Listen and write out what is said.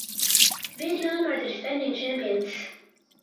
Vietnam are the defending champions.